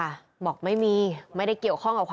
พตรพูดถึงเรื่องนี้ยังไงลองฟังกันหน่อยค่ะ